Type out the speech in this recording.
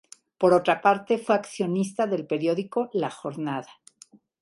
Por otra parte, fue accionista del periódico "La Jornada".